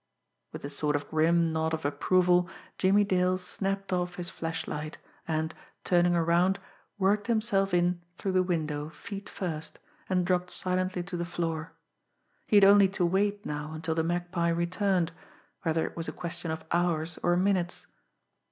With a sort of grim nod of approval, Jimmie Dale snapped off his flashlight, and, turning around, worked himself in through the window feet first, and dropped silently to the floor. He had only to wait now until the Magpie returned whether it was a question of hours or minutes.